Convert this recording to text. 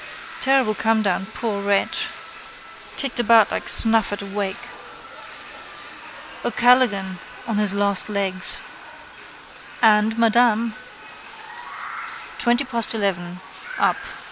Terrible comedown, poor wretch! Kicked about like snuff at a wake. O'Callaghan on his last legs. And Madame. Twenty past eleven. Up.